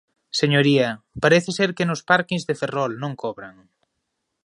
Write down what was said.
Señoría, parece ser que nos párkings de Ferrol non cobran.